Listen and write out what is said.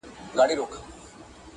غریب سړي ته بازار هم کوهستان دئ -